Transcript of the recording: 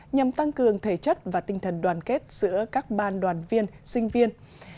nhằm tăng cường thể chất và tinh thần đoàn kết giữa các ban đoàn viên sinh viên